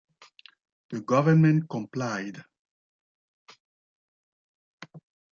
The government complied.